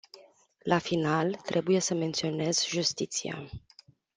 La final, trebuie să menționez justiția.